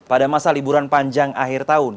pada masa liburan panjang akhir tahun